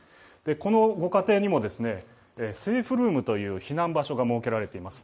このご家庭にもセーフルームという避難場所が設けられています。